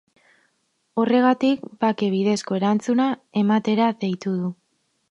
Horregatik, bake bidezko erantzuna ematera deitu du.